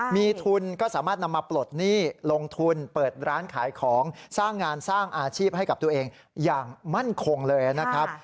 มีทุนก็สามารถนำมาปลดหนี้ลงทุนเปิดร้านขายของสร้างงานสร้างอาชีพให้กับตัวเองอย่างมั่นคงเลยนะครับ